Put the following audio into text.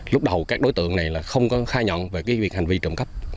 lúc đầu các đối tượng này không có khai nhận về cái việc hành vi trộm cắp